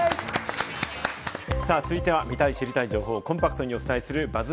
続いては、見たい知りたい情報をコンパクトにお伝えするＢＵＺＺ